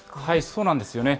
そうなんですよね。